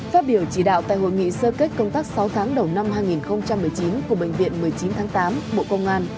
phát biểu chỉ đạo tại hội nghị sơ kết công tác sáu tháng đầu năm hai nghìn một mươi chín của bệnh viện một mươi chín tháng tám bộ công an